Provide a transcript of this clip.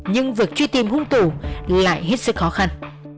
nhưng việc truy tìm hung thủ lại hết sức khó khăn